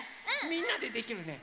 みんなでできるね。